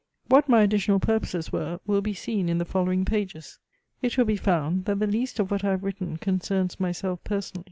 What my additional purposes were, will be seen in the following pages. It will be found, that the least of what I have written concerns myself personally.